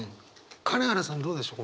金原さんどうでしょう？